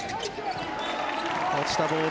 落ちたボール